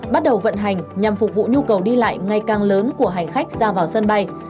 bắt đầu vận hành nhằm phục vụ nhu cầu đi lại ngày càng lớn của hành khách ra vào sân bay